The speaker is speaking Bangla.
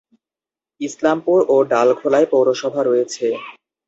ইসলামপুর ও ডালখোলায় পৌরসভা রয়েছে।